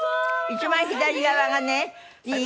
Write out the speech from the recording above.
一番左側がねいい？